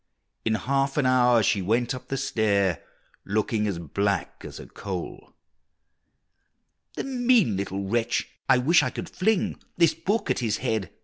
In half an hour she went up the stair, Looking as black as a coal! "The mean little wretch, I wish I could fling This book at his head!"